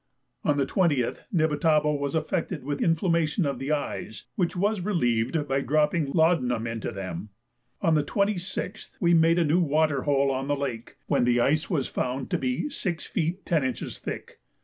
On the 20th Nibitabo was affected with inflammation of the eyes, which was relieved by dropping laudanum into them. On the 26th we made a new water hole on the lake, when the ice was found to be 6 feet 10 inches thick.